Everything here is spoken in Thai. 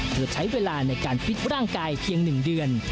เธอใช้เวลาในการฟิตร่างกายเพียง๑เดือน